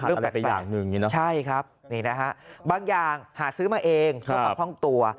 เริ่มแปลกใช่ครับบางอย่างหาซื้อมาเองต้องกับห้องตัว